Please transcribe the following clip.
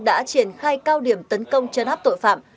đã triển khai cao điểm tấn công chấn áp tội phạm